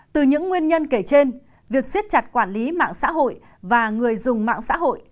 từ những nguyên nhân kể trên việc siết chặt quản lý mạng xã hội và người dùng mạng xã hội